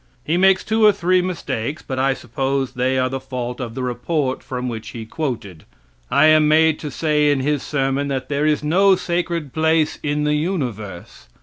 He makes two or three mistakes, but I suppose they are the fault of the report from which he quoted. I am made to say in his sermon that there is no sacred place in the universe.